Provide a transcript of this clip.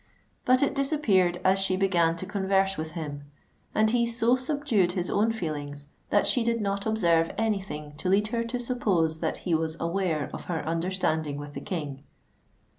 But it disappeared as she began to converse with him; and he so subdued his own feelings, that she did not observe any thing to lead her to suppose that he was aware of her understanding with the King.